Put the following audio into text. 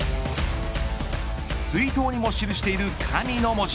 水筒にも記している神の文字。